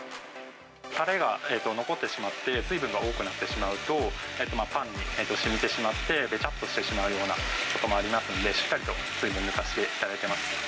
たれが残ってしまって水分が多くなってしまうと、パンにしみてしまって、べちゃっとしてしまうようなこともありますんで、しっかりと水分を抜かしていただいてます。